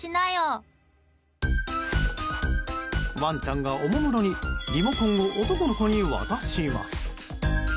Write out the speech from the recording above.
ワンちゃんが、おもむろにリモコンを男の子に渡します。